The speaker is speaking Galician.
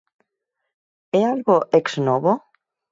¿É algo ex novo?